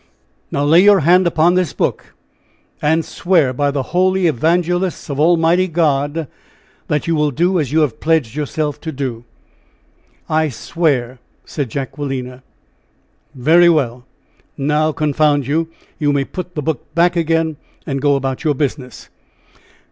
Now lay your hand upon this book, and swear by the Holy Evangelists of Almighty God that you will do as you have pledged yourself to do." "I swear," said Jacquelina. "Very well! Now, confound you! you may put the book back again, and go about your business."